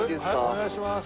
お願いします。